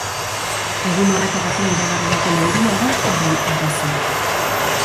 Egun horretarako iragarri duten euria da horren arrazoia.